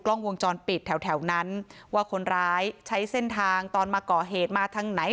กล้องวงจรปิดแถวนั้นว่าคนร้ายใช้เส้นทางตอนมาก่อเหตุมาทางไหน